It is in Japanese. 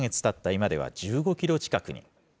今では１５キロ近くに。